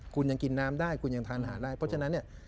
คุณยังกินน้ำได้คุณยังทานอาหารได้เพราะฉะนั้นเนี่ย